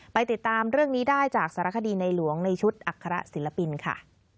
ไปติดตามเรื่องนี้ได้จากสารคดีในหลวงในชุดอัคระศิลปินค่ะ